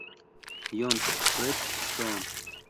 John's Red Storm.